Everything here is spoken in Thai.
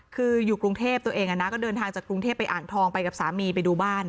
คืออยู่กรุงเทพตัวเองก็เดินทางจากกรุงเทพไปอ่างทองไปกับสามีไปดูบ้าน